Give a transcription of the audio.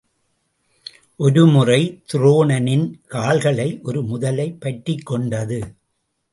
ஒரு முறை துரோணனின் கால்களை ஒரு முதலை பற்றிக் கொண்டது.